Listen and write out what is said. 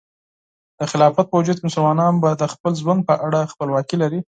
د خلافت په وجود کې، مسلمانان به د خپل ژوند په اړه خپلواکي ولري.